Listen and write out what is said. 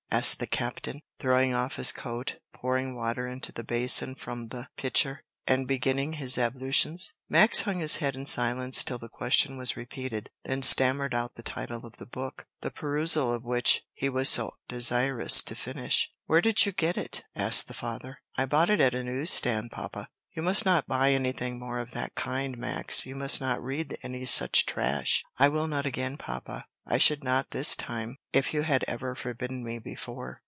asked the captain, throwing off his coat, pouring water into the basin from the pitcher, and beginning his ablutions. Max hung his head in silence till the question was repeated, then stammered out the title of the book, the perusal of which he was so desirous to finish. "Where did you get it?" asked his father. "I bought it at a news stand, papa." "You must not buy anything more of that kind, Max; you must not read any such trash." "I will not again, papa; I should not this time if you had ever forbidden me before."